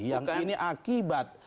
yang ini akibat